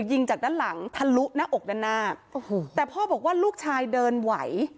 ยิงจากด้านหลังทะลุหน้าอกด้านหน้าโอ้โหแต่พ่อบอกว่าลูกชายเดินไหว